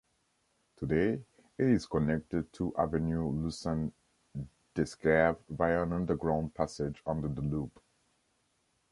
Today it is connected to Avenue Lucien-Descaves via an underground passage under the loop.